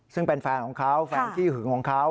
ซึ่งเป็นแฟนของเขาแฟนขี้หึงของเขา